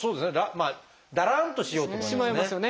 まあだらんとしようと思いますね。